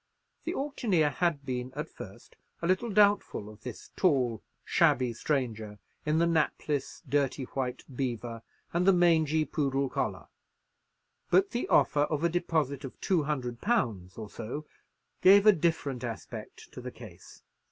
The auctioneer had been at first a little doubtful of this tall, shabby stranger in the napless dirty white beaver and the mangy poodle collar; but the offer of a deposit of two hundred pounds or so gave a different aspect to the case.